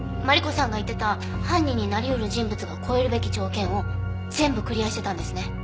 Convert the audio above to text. マリコさんが言ってた犯人になり得る人物が越えるべき条件を全部クリアしてたんですね。